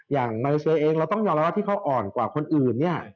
อย่างมาเลเซียเองเราต้องยอมรับว่าที่เขาอ่อนกว่าคนอื่นเนี่ย